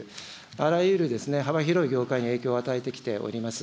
あらゆる幅広い業界に影響を与えてきております。